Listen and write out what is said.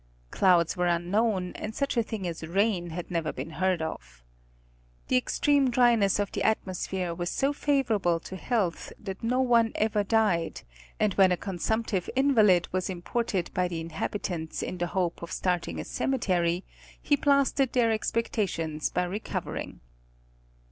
Clouds were unknown, and such a thing as rain had never been heard of. The extreme dry ness of the atmosphere was so favorable to health that no one ever died, and when a consumptive invalid was imported by the inhabitants in the hope of starting a cemetery, he blasted their expectations by recovering.